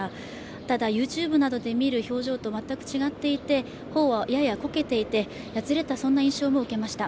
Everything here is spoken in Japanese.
ただ、ＹｏｕＴｕｂｅなどで見る表情と全く違っていて頬はややこけていて、やつれた、そんな印象も受けました。